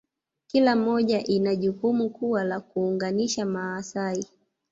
kila moja ina jukumu kuu la kuunganisha Maasai